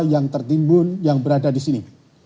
yang tertimbun yang berada disini